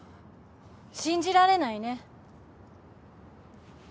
信じられないね。